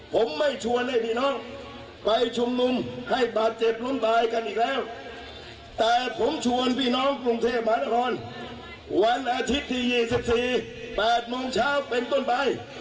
ผมไม่ชวนให้พี่น้องไปชุมนุมให้บาดเจ็บล้มตายกันอีกแล้วแต่ผมชวนพี่น้องกรุงเทพมหานครวันอาทิตย์ที่๒๔๘โมงเช้าเป็นต้นไป